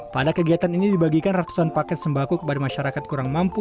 pada kegiatan ini dibagikan ratusan paket sembako kepada masyarakat kurang mampu